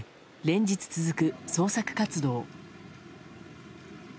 連日続く捜索活動。